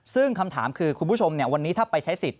ซึ่งคำถามคือคุณผู้ชมวันนี้ถ้าไปใช้สิทธิ